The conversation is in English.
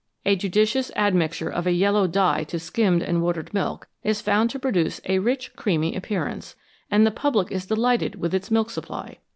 A judicious admixture of a yellow dye to skimmed and watered milk is found to produce a rich, creamy appearance, and the public is delighted with its milk supply.